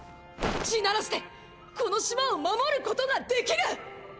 「地鳴らし」でこの島を守ることができる！